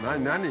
何？